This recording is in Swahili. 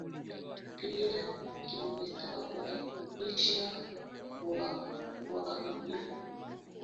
pia kimesababisha uharibifu mkubwa katika mashamba ya mpunga